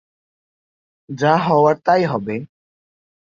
যা হওয়ার তাই হবে।